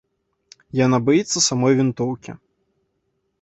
Яна баіцца самой вінтоўкі.